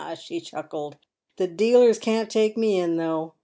she chuckled, " the dealers can't take me in, though.